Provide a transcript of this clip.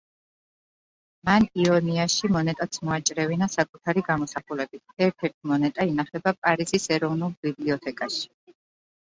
მან იონიაში მონეტაც მოაჭრევინა საკუთარი გამოსახულებით, ერთ-ერთი მონეტა ინახება პარიზის ეროვნულ ბიბლიოთეკაში.